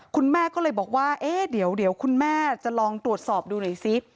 คุณแม่ก็เลยบอกว่าเอ๊ะเดี๋ยวคุณแม่จะลองตรวจสอบดูหน่อยซิ